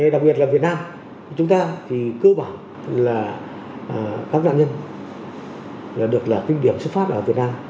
đặc biệt là việt nam chúng ta thì cơ bản là các doanh nhân được là kinh điểm xuất phát ở việt nam